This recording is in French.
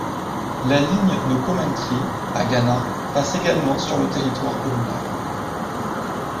La ligne de Commentry à Gannat passe également sur le territoire communal.